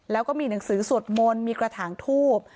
แล้วก็มีหนังสือสวดมนต์มีกระถางทูบ